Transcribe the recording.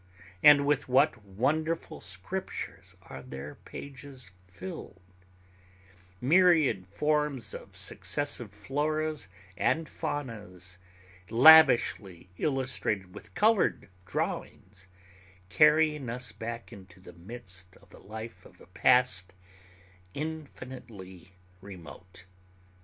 And with what wonderful scriptures are their pages filled—myriad forms of successive floras and faunas, lavishly illustrated with colored drawings, carrying us back into the midst of the life of a past infinitely remote.